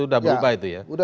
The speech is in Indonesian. sudah berubah itu ya